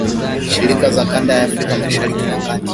shirika za kanda ya Afrika Mashariki na Kati